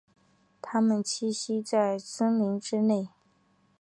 它们栖息在森林之内。